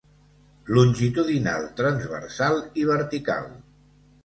Longitudinal, transversal i vertical.